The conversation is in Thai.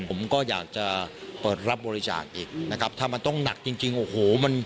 ผมก็อยากจะเปิดรับบริจาคอีกถ้ามันต้องหนักจริงโอ้โห